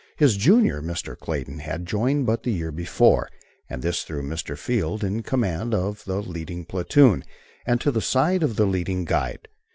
His junior, Mr. Clayton, had joined but the year before, and this threw Mr. Field in command of the leading platoon and to the side of the leading guide.